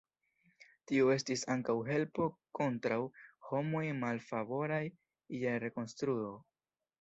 Tio estis ankaŭ helpo kontraŭ homoj malfavoraj je rekonstruo.